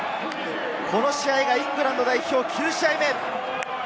この試合がイングランド代表９試合目。